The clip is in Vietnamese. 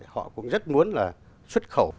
họ cũng rất muốn là xuất khẩu